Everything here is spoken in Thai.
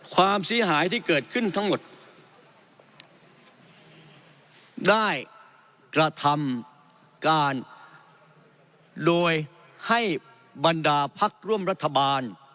ความเสียหายที่เกิดขึ้นทั้งหมดได้กระทำการโดยให้บรรดาพักร่วมรัฐบาล